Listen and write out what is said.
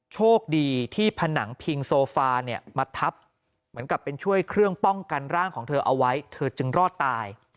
โชคดีที่ผนังพิงโซฟาเนี่ยมาทับเหมือนกับเป็นช่วยเครื่องป้องกันร่างของเธอเอาไว้เธอจึงรอดตาย